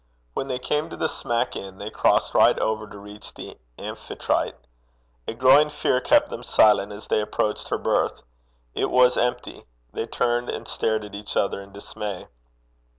When they came to The Smack Inn they crossed right over to reach the Amphitrite. A growing fear kept them silent as they approached her berth. It was empty. They turned and stared at each other in dismay.